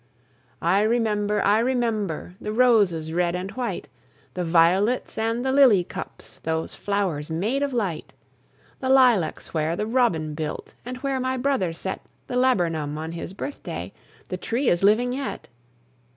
I remember, I remember The roses, red and white, The violets, and the lily cups Those flowers made of light! The lilacs where the robin built, And where my brother set The laburnum on his birthday, The tree is living yet!